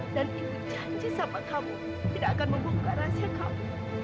dan ibu janji sama kamu tidak akan membongkar rahasia kamu